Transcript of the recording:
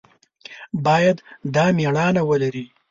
باید دا مېړانه ولري.